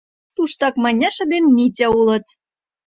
Туштак Маняша ден Митя улыт.